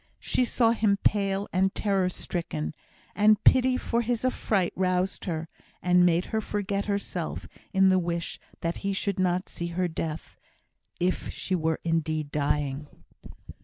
She saw him pale and terror stricken; and pity for his affright roused her, and made her forget herself in the wish that he should not see her death, if she were indeed dying.